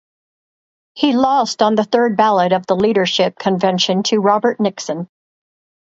He lost on the third ballot of the leadership convention to Robert Nixon.